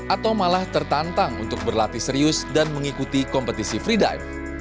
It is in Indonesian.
atau malah tertantang untuk berlatih serius dan mengikuti kompetisi free dive